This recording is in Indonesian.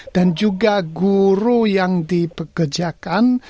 dan juga guru yang dipekerjakan